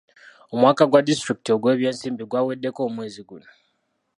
Omwaka gwa disitulikiti ogw'ebyensimbi gwaweddeko omwezi guno.